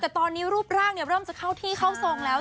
แต่ตอนนี้รูปร่างเริ่มจะเข้าที่เข้าทรงแล้ว